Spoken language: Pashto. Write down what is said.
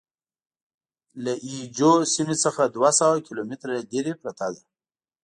له اي جو سیمې څخه دوه سوه کیلومتره لرې پرته ده.